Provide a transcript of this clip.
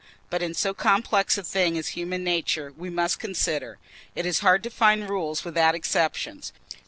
But in so complex a thing as human nature, we must consider, it is hard to find rules without exceptions.